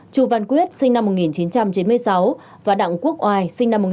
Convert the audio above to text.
chú văn quyết sinh năm một nghìn chín trăm chín mươi sáu và đảng quốc oai sinh năm một nghìn chín trăm chín mươi sáu